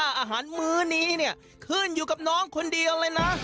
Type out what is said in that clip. อาหารมื้อนี้เนี่ยขึ้นอยู่กับน้องคนเดียวเลยนะ